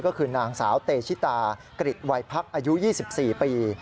ก็คือนางสาวเตชิตากริจวัยพักอายุ๒๔ปี